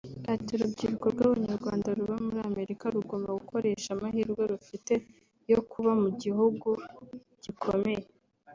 Ati “ Urubyiruko rw’Abanyarwanda ruba muri Amerika rugomba gukoresha amahirwe rufite yo kuba mu gihugu gikomeye